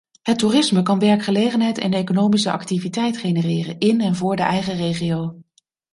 Het toerisme kan werkgelegenheid en economische activiteit genereren in en voor de eigen regio.